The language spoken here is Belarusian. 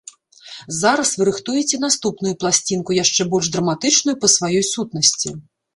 Зараз вы рыхтуеце наступную пласцінку, яшчэ больш драматычную па сваёй сутнасці.